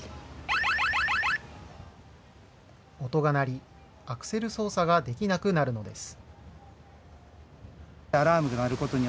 音が鳴り、アクセル操作ができなくなるのです。